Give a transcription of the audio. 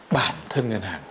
bản thân ngân hàng